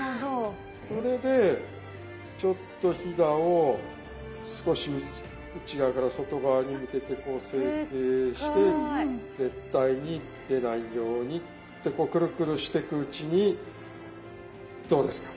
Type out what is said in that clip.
これでちょっとひだを少し内側から外側に向けてこう成形して絶対に出ないようにってこうクルクルしてくうちにどうですか？